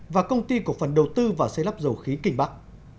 và công ty cổ phần đầu tư và xây lắp dầu khí kinh bắc